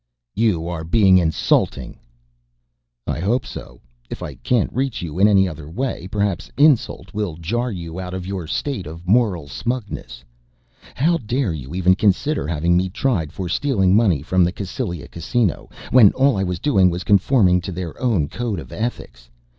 "You are being insulting!" "I hope so. If I can't reach you in any other way, perhaps insult will jar you out of your state of moral smugness. How dare you even consider having me tried for stealing money from the Cassylia casino when all I was doing was conforming to their own code of ethics!